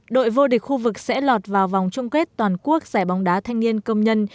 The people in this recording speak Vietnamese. thì khu vực sẽ lọt vào vòng trung kết toàn quốc giải bóng đá thanh niên công nhân